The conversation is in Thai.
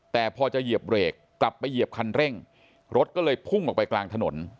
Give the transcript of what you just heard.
แต่พอจะเหยียบเบรกกลับไปเหยียบคันเร่งรถก็เลยพุ่งออกไปกลางถนน